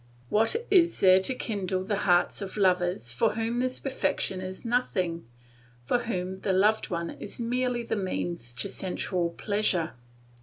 What is there to kindle the hearts of lovers for whom this perfection is nothing, for whom the loved one is merely the means to sensual pleasure?